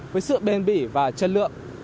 với sự bền bỉ và chất lượng